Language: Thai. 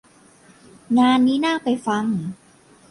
งานนี้น่าไปฟัง